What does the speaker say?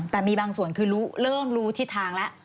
แต่มีบางส่วนคือเริ่มรู้ทิศทางแล้ว